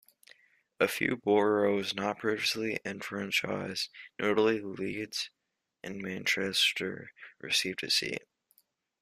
A few boroughs not previously enfranchised, notably Leeds and Manchester, received a seat.